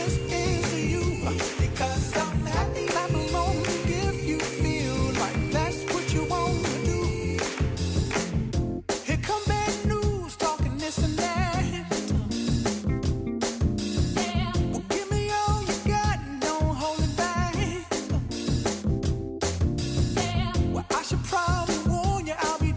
สวัสดีครับสวัสดีครับ